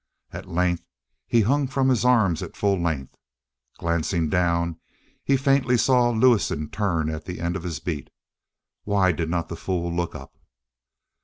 At length, he hung from his arms at full length. Glancing down, he faintly saw Lewison turn at the end of his beat. Why did not the fool look up?